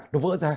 nó vỡ ra